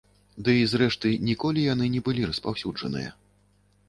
Дый, зрэшты, ніколі яны не былі распаўсюджаныя.